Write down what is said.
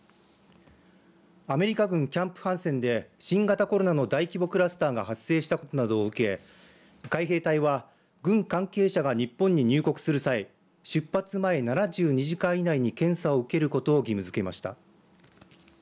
アメリカ軍キャンプハンセンで新型コロナの大規模クラスターが発生したことなどを受け海兵隊は軍関係者が日本に入国する際出発前７２時間以内に検査を受けることを義務づけました。